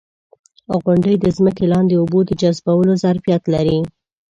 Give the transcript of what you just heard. • غونډۍ د ځمکې لاندې اوبو د جذبولو ظرفیت لري.